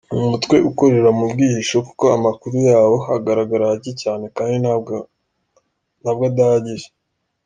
Ni umutwe ukorera mu bwihisho kuko amakuru yawo agaragara hake cyane kandi nabwo adahagije.